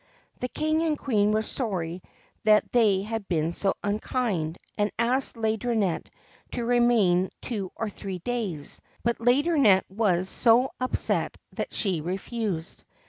The King and Queen were sorry that they had been so unkind, and asked Laideronnette to remain two or three days ; but Laideron nette was so upset that she refused.